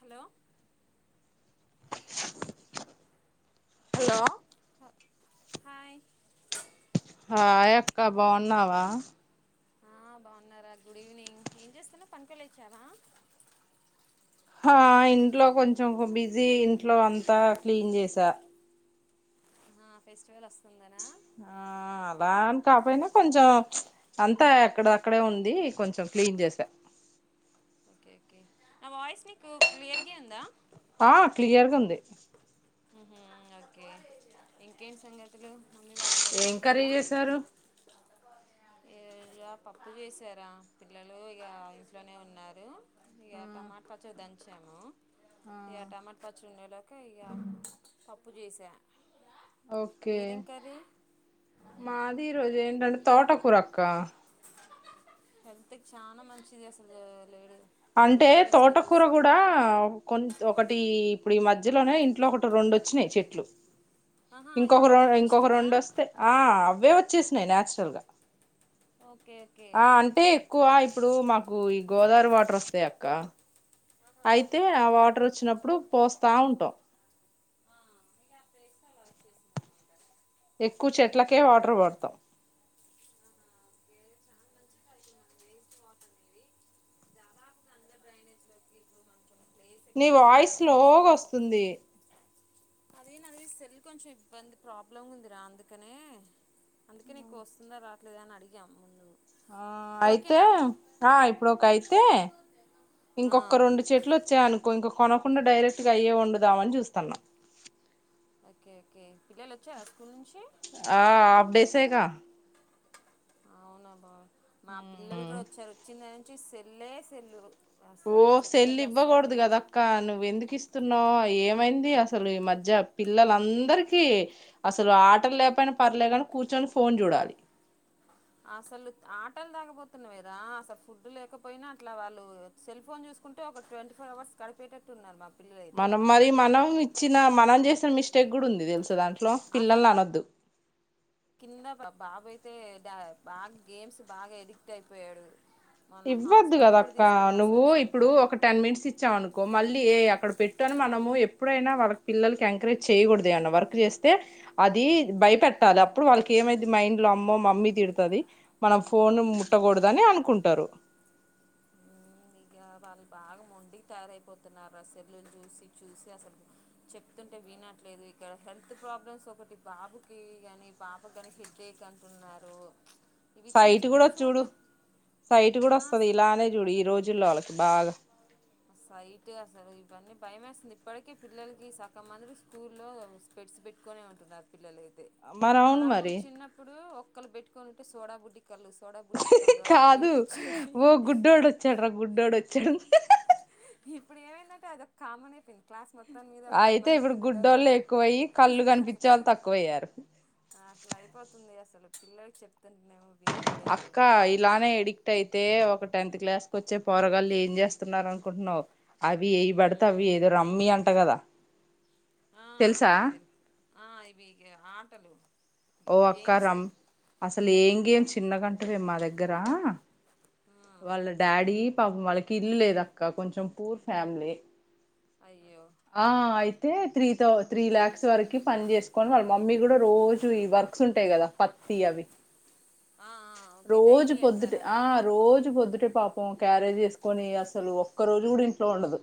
Hello hello hi hi అక్క బాగున్నావా ఆ బాగున్నారా గుడ్ ఈవనింగ్ ఏం చేస్తాన్నా పనికికలు ఇచ్చారా ఆ ఇంట్లో కొంచం బిజీ ఇంట్లో అంతా క్లీన్ చేసా ఆ ఫెస్టివల్ వస్తుందనా ఆ అలా అని కాపోయినా కొంచెం అంతా ఎక్కడ అక్కడే ఉంది కొంచెం క్లీన్ చేసా ఓకేకే నా వయిస్మ క్లియర్గే ఉందా ఆ క్లియర్గా ఉంది ఓకే ఇంకేమి సంగతులు మమ్మీ వాళ్ళందరు ఏం కర్రీ బాగున్నారా చేసారు. ఈ రోజుగా పప్పు చేసారా పిల్లలు ఇగ ఇంట్లోనే ఉన్నారు. ఇగ టమాటా పచ్చడి దం. వచ్చాము. యా టమాట పచ్చడి ఉన్న. ఇంకా పప్పు చేసా. ఓకే మీదేం కర్రీ మాది ఈరోజు ఏంటంటే తోట కూర అక్క. హల్త్ చాలా మంచిది అసలు. లేడు అంటే లీఫీ తోటకూర వెజిటేబుల్స్ కూడా కొం. ఒకటి ఇప్పుడు ఈ మధ్యలోనే ఇంట్లో ఒకటి రెండు వచ్చినాయి చెట్లు. ఆహా ఇంకొక ఇంట్లో రెం ఇంకొక పండించిందా రెండు వస్తే ఆ అవే వచ్చా. వచ్చేసినాయి నాచురల్ గా. ఓకే ఓకే ఆ అంటే ఎక్కువ. ఇప్పుడు మాకు ఈ గోదావరి వాటర్ వస్తాయి అక్క. అయితే ఆ వాటర్ వచ్చినప్పుడు పోస్తా ఉంటాం. ఎక్కువ చెట్లకే వాటర్ పడుతాం. వేస్ట్ వాటర్ అనేవి చాలా అంద డ్రైనే ఇప్పుడు. నీ వాయిస్ లోగా వస్తుంది. అదే నది సెల్ కొంచెం ఇబ్బంది ప్రాబ్లమ్ ఉందిరా అందుకునే అందుకు నీకు వస్తుందా రావట్లేదా అని అడిగాం ముందు. ఆ ఇప్పుడు అయితే ఓకేనా ఆ ఇప్పుడు ఒక అయితే ఇంకొక రెండు చెట్లు వచ్చాయినుకో ఇంకొ. కొనకుండా డైరెక్ట్ గా అయ్యే వండుదామని చూస్తున్నాం. ఓకే ఓకే పిల్లలు వచ్చా స్కూల్ నుంచి. ఆ ఆఫ్ డేసే గా. అవున. మా పిల్లలు కూడా వచ్చారు వచ్చిందా. వచ్చి సెల్ లే సెల్లు. ఓ అస్సలు సెల్ చెప్తుంటే అస్సలు ఇవ్వకూడదు కదా వినట్లే అక్క నువ్వు ఎందుకు ఇస్త. తుస్తున్నాం ఏమైంది అసలు ఈ మధ్య పిల్లలందరికీ అసలు ఆటలు లేపోయినా పర్లే కాని కూర్చొని ఫోన్ చూడాలి. అసలు ఆటలు తాగపోతున్నా మీరా అసలు ఫుడ్ లేకపోయినా అట్లా వాళ్ళు సెల్ ఫోన్ చూసుకుంటే ఒక ట్వంటీ ఫోర్ అవర్స్ గడిపేటట్టు ఉన్నారు మాకు. మనం మరి మనం ఇచ్చి. తిన మనం చేసిన మిస్టేక్ కూడా ఉంది తెలుసుదంటే. లో అసలు పిల్లల్ని అనొద్దు కింద బాబు అయితే బాగా గేమ్స్ బాగా ఎడిక్ట్ అయిపోయాడు మొన్న ఇవ్వద్దు హాస్పిటల్ కదా కూడా అక్క తీసుకెళ్లాల్సి నువ్వు ఇప్పుడు వచ్చింది ఒక టెన్ మినిట్స్ ఇచ్చావు అనుకో మళ్ళీ ఏ అక్కడ పెట్టు అని మనము ఎప్పుడైనా వాళ్ళకి పిల్లలకి ఎంకరేజ్ చేయకూడదు అన్న వర్క్ చేస్తే అది భయపెట్టాలి అప్పుడు వాళ్ళకి ఏమైతాది మైండ్లో అమ్మో మమ్మీ తిడతాది మనం ఫోన్ ముట్టకూడదు అని అనుకుంటారు ఇ వాళ్ళు బాగా మొండి తయారైపోతున్నారు అసెర్ని చూసి చూసి అసలు చెప్తుంటే వినట్లేదు ఇక్కడ హెల్త్ ప్రాబ్లమ్స్ ఒకటి బాబుకి కాని పాప కాని హిడ్డేక్ అంటున్నారు. ఇవి చిన్న సైటు కూడ చిన్నవి చూడు చూడ సైటు కూడ ఆ వస్తది ఇలానే చూడు ఈ రోజు పిల్లోలకి బాగ సైటు అసలు ఇవన్నీ భయమేస్తుంది ఇప్పటికే పిల్లలకి సగమంది స్కూల్లో స్పెట్స్ పెట్టుకొనే ఉంటున్నారు పిల్లలయితే మరి అవును మనప్పుడు మరి చిన్నప్పుడు ఒ ఒక్కలు పెట్టుకునింటే సోడా బుడ్డి కళ్ళు సోడా బుడ్డి కళ్ళు అట్లా కాదు ఏడిపించేది ఓ గుడ్డోడు వచ్చాడు ర గుడ్డోడు వచ్చాడు ఇప్పుడు ఏమైందట్టే అది ఒక కామన్ అయిపోయింది క్లాస్ మొ మొత్తం మీద పది అయితే మందికి ఇప్పుడు ఉండేలోకె గుడ్డోళ్ళు ఎక్కువయ్యి కళ్ళు కనిపించే వాళ్ళు తక్కువయ్యారు అట్ల అయిపోతుంది అసలు పిల్లోలకి చెప్తుంట మేము అక్క ఇలానే ఎడిక్ట్ అయితే ఒక టెన్త్ క్లాస్ కోచ్చే పొరగాళ్ళు ఏం చేస్తున్నారు అనుకుంటున్నావు అవి ఏవి పడితే అవి మ్మ్ ఏదో రమ్మి అంట కదా ఆ తెలుసా ఇది ఆ ఇవి ఆటలు ఓ అక్క గేమ్స్ రమ్ అసలు ఏం గేమ్ చిన్నగంటురే మా దగ్గర ఆ వాళ్ళ డాడీ పాపం వాళ్ళకి ఇల్లు లేదు అక్క కొంచెం పూర్ ఫ్యామిలీ అయ్యో ఆ అయి అయితే త్రీ తౌ త్రీ లాక్స్ వరకు పని చేసుకొని వాళ్ళ మమ్మీ కూడా రోజు ఈ వర్క్స్ ఉంటాయి కదా పత్తి అవి ఆ ఆ ఓకే రోజు డైలీ పొద్దుటి వెళ్తారా ఆ రోజు పొద్దుటి పాపం క్యారేజీ ఎసుకొని అసలు ఒక్క రోజు కూడ ఇంట్లో ఉండదు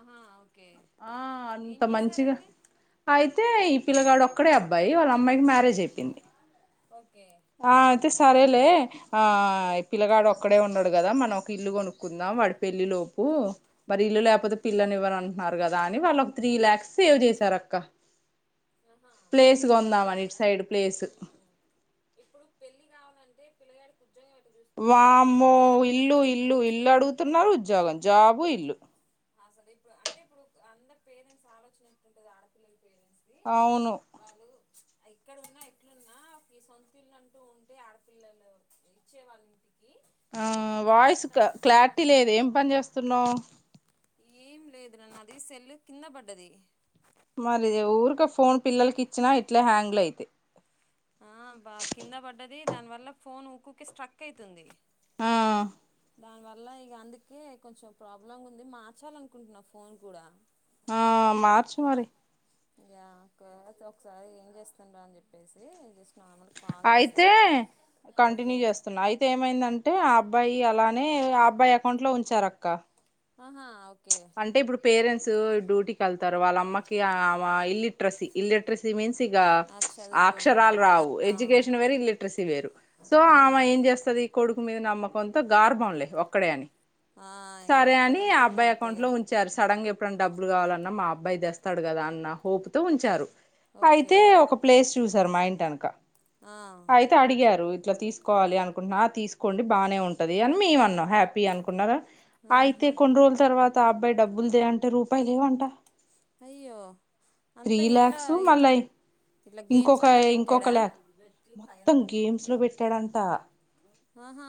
ఆహా ఓకే ఆ ఏం అంత మంచిగ చేశారయితే అయితే పిల్లగాడు ఒక్కడే అబ్బాయి వాళ్ళ అమ్మాయికి మ్యారేజ్ అయిపోయింది ఒకే ఆ అయితే సరేలే ఆ ఈ పిల్లగాడు ఒక్కడే ఉన్నాడు కదా మనం ఒక ఇల్లు కొనుక్కుందాం వాడి పెళ్లి లోపు మరి ఇల్లు లేకపోతే ఓకే పిల్లనివ్వరు అంటునారు కా అని వాళ్ళు ఒక త్రీ ల్యాక్స్ సేవ్ చేసారు అక్క ఆహా ప్లేస్ కొందాం మంచిదే అని ఇటు కదా సైడ్ ప్లేసు ఉమ్ ఇప్పుడు పెళ్లి కావాలంటే పిల్లగా వామ్మో ఇల్లు ఇల్లు చూస్తున్నారు ఇల్లు అడుగుతున్నారు ఉద్యోగం జాబు ఇ ఇల్లు అసలు ఇప్పుడు అంటే ఇప్పుడు అందరు పేరెంట్స్ ఆలోచనేటుంటది ఆడపిల్లల్ అవును ఎక్కడ ఉన్నా ఎట్లున్నా ఈ సొంత ఇల్లు అంటూ ఉంటే ఆడపిల్లలు ఇచ్చేవాళ్ళింటి ఆ వాయిస్ క క్లార్ టీ కంపల్స లేదు ఏం పని చేస్తున్నావు ఏం లేదు నన్న అది సెల్ కింద పడ్డది మరి ఊరిక ఫోన్ పిల్లల్ కి ఇచ్చినా ఇట్లే హ్యాంగ్ల అయిత యి ఆ బాగా కింద పడ్డది దాని వల్ల ఫోన్ ఊక్కుకి స్ట్రక్ అయితుంది ఆ దాని వల్ల ఇక అందుకే కొంచెం ప్రాబ్లం ఉంది మార్చాలి అనుకుంటున్నా ఫోన్ కూడా ఆ మార్చ్ మరి అ ఒకసారి ఏం చేస్తుండ్రా అని చెప్పేసి నార్మల్ కాల్ అయితే చేశాను ఓకే కంటిన్యూ చేస్తున్నా అయితే ఏమైందంటే అబ్ అబ్బాయి అలానే ఆ అబ్బాయి అకౌంట్ లో ఉంచారు అక్క ఆహా ఓకే అంటే ఇప్పుడు పేరెంట్స్ స్ డ్యూటీకి వెళ్తారు వాళ్ళమ్మకి ఇల్లిట్రసీ ఇల్లిట్రసీ మీన్స్ తిగ చదువుకోనోళ్ళు అక్షరాల్ రావు ఎజ్యకేషన్ వేరు ఇలిటరసీ వేరు సో ఆమ అవును ఏం చేస్తది కొడుకి మీద నమ్మకంతో గార్భంలే ఒక్కడే అని ఇక సరే అని ఒక్కళ్ళంటే ఇక అఅబ్బాయి అకౌంట్ అంతేగా లో ఉంచారు సడన్ గా ఎప్ ఎప్పుడన్ డబ్బులు కావాలన్నా మా అబ్బాయి తెస్తాడు కదా అన్న హోప్ తో ఉంచారు ఓకే అయితే ఒక ప్లేస్ చూసారు మా ఇంటి అనుక ఆహా అయితే అడిగారు ఇట్లా తీసుకోవాలి అనుకుంటున్నా తీసుకోండి బాగానే ఉంటది అని మేము అన్నాం హ్యాపీ అనుకున్న రా అయితే కొన్ని రోజులు తర్వాత తాఅబ్బాయి డబ్బులు దేయంటే రూపాయి లేవంటా అయ్యో అంతా ఇట్లా ల్యాక్స్ మళ్ళా ఇట్లా ఇంకొక గేమ్స్లలో ఇంకొక పెట్టాడా ల్యాక్ మొత్తం గేమ్స్ లో పెట్టాడంట ఆహా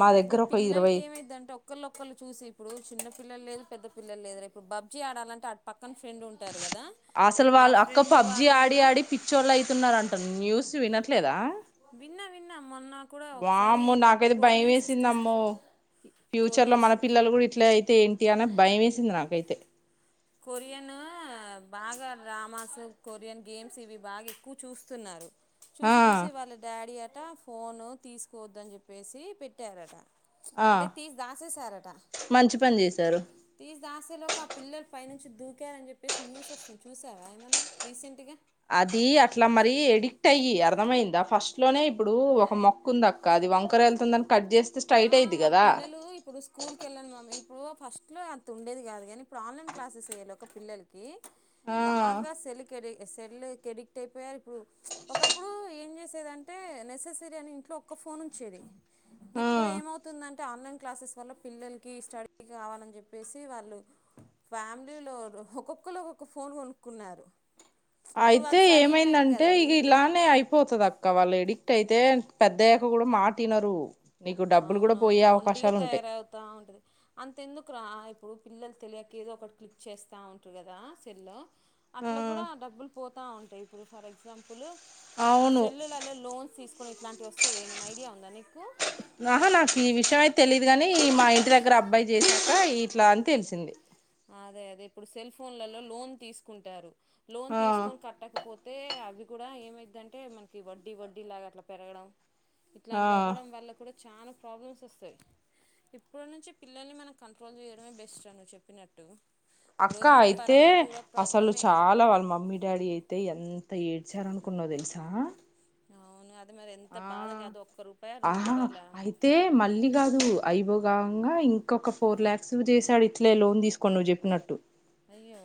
మా ఇప్పుడు దగ్గర ఒక ఇరవై పిల్లలకి ఏమైదంటే ఒక్కళ్ళు ఒకళ్ళు చూసి ఇప్పుడు చిన్న పిల్లలు లేదు పెద్ద పిల్లలు లేదు రే ఇప్పుడు పబ్జీ ఆడాలంటే ఆడ్ పక్కన ఫ్రెండ్ ఉంటారు కదా అసలు ఆ వాళ్ళు అక్క ఫ్రెండ్ పబ్జి వాళ్ళు ఆడి కూడా ఆడి పిచ్చోళ్ళు అయితున్నార అంటా న్యూస్ వినట్ ట్లేదా విన్నా విన్నా మొన్న కూడా ఒకసారి వామ్మె ఇట నాకైతే భయం కొరియన్ వేసింది సిస్టర్స్ అమ్మె ఫ్యూచర్ లో కొరియన్స్ మన పిల్లలు కూడా ఇట్ల అయితే ఏంటి అని భయం వేసింది నాకైతే కొరియను బాగా డ్రామాస్ కొరియన్ గేమ్స్ ఇవి బాగా ఎక్కువ చూస్తున్నారు ఆ చూసి చూసి వాళ్ళ డాడీ అ ఫోను తీసుకోవద్దని చెప్పేసి పెట్టారట ఆ అంటే తీసి దాసేశారట. మంచి పని చేశారు తీసి దాసేలోక ఆ పిల్ల పై నుంచి దూకారని చెప్పేసి న్యూస్ వస్తుంది చూసారా ఏమన్నా రీసెంట్గా అది అట్లా మరీ ఎడిక్ట్ అయి అర్థమయిందా ఫస్ట్ లోనే ఇప్పుడు ఒక మొక్కుంద అక్క అది వంకర వెళ్తుందని కట్ చేస్ ఆ వాళ్ళ పిల్లలు ఇప్పుడు స్కూల్ కి వెళ్ళను మమ్మీ ఒ ఫస్ట్లో అంత ఉండేది కాదు కానీ ఇప్పుడు ఆన్లైన్ క్లాసెస్ అయ్యే లోగా పిల్లల్కి ఆ బాగా సలికెడ సెల్ కి ఎడిక్ట్ అయిపోయారు ఇప్పుడు ఒకప్పుడు ఏం చేసేది అంటే నెససరీ అని ఇంట్లో ఒక్క ఫోన్ ఉంచేది ఆ ఇప్పుడు ఏమవుతుందం అంటే ఆన్లైన్ క్లాసెస్ వల్ల పిల్లలకి స్టడీకి కావాలని చెప్పేసి వాళ్ళు ఫ్యామిలీలో ఒక్కొక్కళ్ళు ఒక్క ఫోన్ కొనుక్కున్నారు ఇప్పుడు వాళ్ళ అయితే స్టడీ టైం ఏమైందంటే కదా అది ఇక ఇలానే అయిపోతుంది అక్క వాళ్ళు ఎడిక్ట్ అయి అయితే పెద్ద అయ్యాక కూడా మాట ఇనరూ అవునవును మొండిగా తయారవుతా ఉంటది అంతెందుకు రా ఇప్పుడు పిల్లలు తెలియక ఏదో ఒకటి క్లిక్ చేస్తా ఉంటారు కదా సెల్లో ఆ అట్లా కూడా డబ్బులు పోతే ఆ ఉంటాయ్ ఇప్పుడు ఫర్ ఎక్సాంపుల్ లు అవును సెల్లలలో లోన్స్ తీసుకుని ఇట్లాంటివి వస్తే ఏమైనా ఐడియా ఉందా నీకు ఆహా నాకు ఈ విషయ్ అయితే తెలీదు గాని మా ఇంటి దగ్గర అబ్బాయి చేసాక ఇట్లా అని తెలిసింది అదే అదే ఇప్పుడు సెల్ ఫోన్లలో లోన్ తీసుకుంటారు లోన్ ఆ తీసుకొని కట్టకపో అయితే అవి కూడా ఏమైద్ది అంటే మనకి వడ్డీ వడ్డీ లాగా అట్లా పెరగడం ఇట్లాంటివి ఆ అవ్వడం వల్ల కూడా చాలా ప్రాబ్లమ్స్ వస్తాయి ఇప్పటి నుంచి పిల్లల్ని మనం కంట్రోల్ చేయడమే బెస్ట్ అని చెప్పిన అక్క అయితే అసలు ప్రాబ్లమే చాలా వాళ్ళ మమ్మీ డాడీ అయితే ఎంత త ఏడ్చారు అనుకున్నావ్ తెలుసా! అవును మరి ఎంత ఆ బాధ కాదు ఒక్క రూపాయ రెండు ఆహ రూపాయలా అయితే మళ్ళీ గాదు అయిపోగా కాంగా ఇంకొక ఒక ఫోర్ లాక్స్ చేసాడు ఇట్లే లోన్ తీసుకోని నువ్వు చెప్పినట్టు అయ్యో!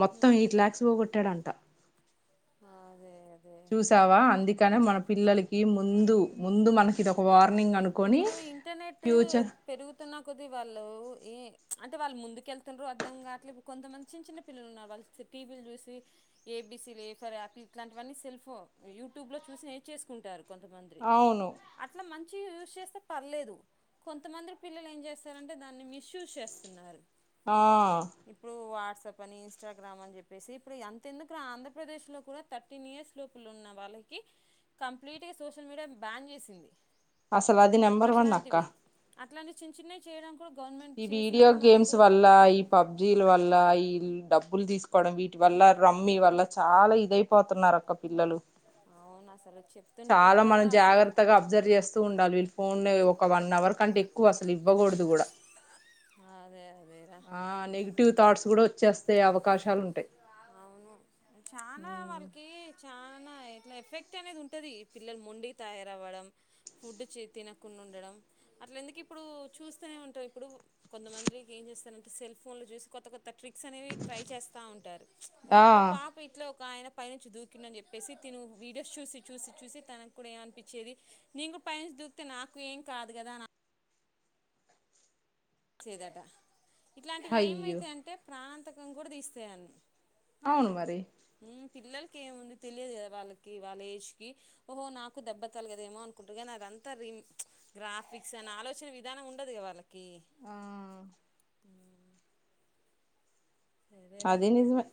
ఉహు మొత్తం ఎయిట్ లాక్స్ పోగొట్టాడంట అదే అదే చూసావా అందుకనే మన పిల్లలకి ముందు ముందు మనకిది వా ఇప్పుడు ఇంటర్నెట్ పెరుగుతున్నా కొద్ది వాళ్ళు ఏ అంటే వాళ్ళు ముందుకేళ్తున్రో అర్థంకాట్లే కొంతమంది చిన్న చిన్న పిల్లలు ఉన్నారు వాళ్ళు టీవీలు చూసి ఏబీసీలు ఏ ఫర్ ఆపిల్ ఇట్లాంటివన్నీ సెల్ఫో యూట్యూబ్లో చూసి నేర్చేసుకుంటారు. కొంతమంది అవును అట్లా మం మంచి యుజ్ చేస్తే పర్లేదు కొంతమంది పిల్లలు ఏం చేస్తారంటే దాన్ని మిస్ యూస్ చేస్తున్నారు. ఆ ఇప్పుడు వాట్సాప్ అని ఇన్స్టాగ్రామ్ అని చెప్పేసి ఇప్పుడు అంతెందుకురా ఆంధ్రప్రదేశ్ లో కూడా థర్టీన్ ఇయర్స్ లోపల ఉన్న వాళ్ళకి కంప్లీట్గా సోషల్ మీడియా బ్యాన్ చేసింది. అసలు అది నెంబర్ వన్ అక్క అట్లాంటివి అట్లాంటి చిన్న చిన్నయ్ చేయడం కూడా గవర్నమెంట్ ఈ వీడియో చేసినప్పుడు మనం గేమ్స్ కూడా వల్ల ఈ పబ్జీల వల్ల ఈ డబ్బులు తీసుకోవడం వీటి వల్ల రమ్మి వల్ల చాలా ఇదయిపోతున్నారు అక్క పిల్లలు అవును అసలు చెప్తుంటే చాలా కూడా మనం అసలు జాగ్రత్తగా అబ్జర్వ్ చేస్తూ ఉండాలి, వీళ్ళు ఫోన్లు ఒక వన్ అవర్ కంటే ఎక్కువ అసలు ఇవ్వకూడదు కూడా అదే అదేరా ఆ నెగిటివ్ థాట్స్ కూడా వచ్చేస్తే అవకాశాలు ఉంటాయి చా ఇట్లా ఎఫెక్ట్ అనేది ఉంటది పిల్లలు మొండిగ తయారవ్వడం ఫుడ్ తినకుండా ఉండడం అట్ల ఎందుకు ఇప్పుడు చూస్తూనే ఉంటావ్ ఇప్పుడు కొంతమందికి ఏం చేస్తారం సెల్ ఫోన్ లో చూసి కొత్త కొత్ ట్రిక్స్ అనేవి ట్రై చేస్తా ఉంటారు ఆ ఒక పాప ఇట్లో ఒక ఆయన పైనుంచి దుకిండని చెప్ చెప్పేసి తిను వీడియోస్ చూసి చూసి చూసి తనాకూడా ఏమ అనిపించేది నీన్ కూడ పైనుంచి దూకితే నాకు ఏం కాదు కదా నా చేదాటా ఇట్లాంటివి అయ్యో ఏమైతా అంటే ప్రాణంతక [inaudible] కూడా తీస్తేయన్ని అవును మరి పిల్లలకి ఏముంది తెలియదు కదా వాళ్ళకి వాళ్ళ ఏజ్కి ఓహో నాకు దెబ్బతలగదేమో అనుకుంటారు, కానీ అదంతా రిమ్ గ్రాఫిక్స్ అని ఆలోచన విధానం ఉండదు కదా వాళ్ళకి ఆ సరేరా అది నిజమే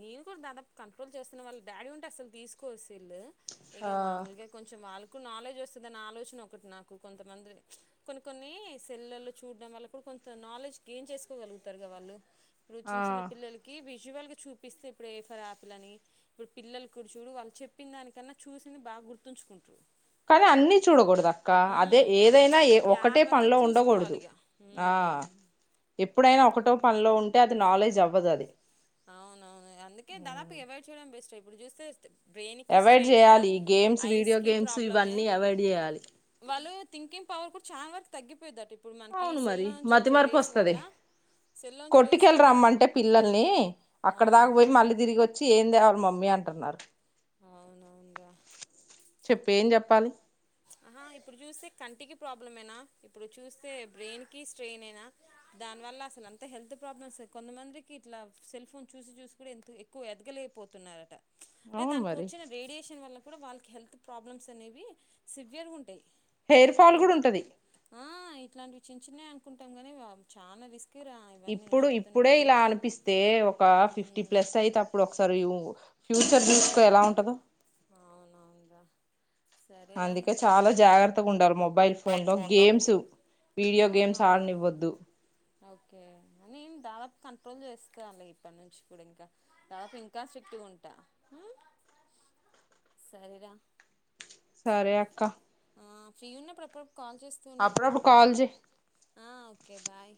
నేను కూడా దాదాపు కంట్రోల్ చేస్తున్న వాళ్ళ డాడీ ఉంటే అసలు తీసుకోదు సెల్లు ఆ ఇగ మామూలుగా కొంచెం వాలు నాలెడ్జ్ వస్తుందన్న ఆలోచన ఒకటి నాకు కొంతమంది కొన్ని కొన్ని సెల్లల్లో చూడడం వల్ల కూడా కొంత నాలెడ్జ్ గెయిన్ చేసుకోగలుగుతారుగా వాళ్ళు రుచించిన ఆ పిల్లలకి వి జ్య్వాళ్ళకి చూపిస్తే ఏ ఫర్యాపిల్ అని ఇప్పుడు పిల్లలు కూడా చూడు వాళ్ళు చెప్పిన దానికన్నా చూసింది బాగా గుర్తుంచుకుంట్రు కానీ అన్ని చూడకూడదు అక్క అదే ఏదైనా ఏ ఒక్కటే జాగ్రత్తగా పనిలో ఉండకూడదు చూసుకోవాలి ఇక ఆ ఉమ్. ఎప్పుడైనా ఒక టె పనిలో ఉంటే అది నాలెడ్జ్ అవ్వదు అది అవునవును అందుకే దాదాపు ఎవాయిడ్ చేయడం బెస్ట్ అ ఇప్పుడు చేస్తేస్ అవాయిడ్ చేయాలి గేమ్స్ వీడియో ఐస్కి గేమ్స్ ప్రాబ్లమే ఇవన్నీ అవాయిడ్ చేయాలి థికింగ్వర్ కూడా చాల వరకు తగ్పోయిదటిఇప్ అవును మరి మతిమరపు వస్తది సెల్లో నుంచి రేస్ కొట్టుకెళ్ వల్ల రమ్మంటే పిల్లల్ని అక్కడ దాకా అవును పోయి మళ్ళీ తిరిగి వచ్చి ఏందేవాల్ మమ్మీ అంటు న్నారు అవునవును రా చెప్పు ఏం చెప్పాలి ఆహా ఇప్పుడు చూస్తే కంటికి ప్రాబ్లం ఏనా ఇప్పుడు చూస్తే బ్రెయిన్ కి స్ట్రెయిన్ ఏనా దానివల్ల అసలు అంత హెల్త్ ప్రాబ్లమ్స్ కొంతమందికి ఇట్లా సెల్ ఫోన్ చూసి చూసి కూడా ఎ ఎక్కువ ఎదగలేక్ పోతున్నారట అంటే అవును దానికి మరి వచ్చిన రేడియేషన్ వల్ల కూడా వాళ్ళకి హెల్త్ ప్రాబ్లమ్స్ అనేవి సివియర్ గా ఉంటాయి హెయిర్ ఫాల్ ఇప్పుడు కూడా ఉంటది ఆ ఇట్లాంటివి చిన్న చిన్నవి అనుకుంటాం గానీ చాలా రిస్క్ రా ఇవన్నీ నువ్వు ఇప్పుడు ఇప్పుడే చెప్తుంటే ఇలా అనిపిస్తే ఒక ఫిఫ్టీ ఉమ్ ప్లస్ అయితే అప్పుడు ఒకసారి యు ఫ్యూచర్ చూసుకో ఎలా ఉంటదొ అవునవునురా సరేరా అందుకే చాలా మొబైల్ జాగ్రత్తగా ఉండాలి మొబైల్ ఫోన్ లో గేమ్స్ వీడియో గేమ్స్ అవునవును ఆడనివ్వద్దు రోజు చేస్తా అల ఇక్కడినుంచి కూడా ఇంకా తాత ఇంకా స్ట్రిక్టుగా ఉంటా సరేరా సరే అక్క ఆ ఫ్రీ ఉన్నప్పుడు అప్ డప్డు కాల్ చేస్తండు అప్పుడప్పుడు కాల్ చేయి ఆ ఓకే బాయ్